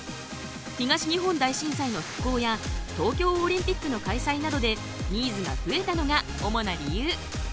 東日本大震災の復興や東京オリンピックの開催などでニーズが増えたのが主な理由。